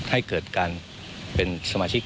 ให้เกิดการเป็นสมาชิก